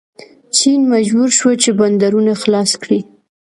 چین مجبور شو چې بندرونه خلاص کړي.